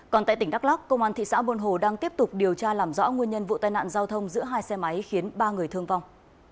còn tại tỉnh đắk lắc công an thị xã buôn hồ đang tiếp tục điều tra làm rõ nguyên nhân vụ tai nạn giao thông giữa hai xe máy khiến ba người thương vong